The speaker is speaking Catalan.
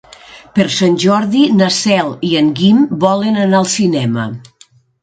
Per Sant Jordi na Cel i en Guim volen anar al cinema.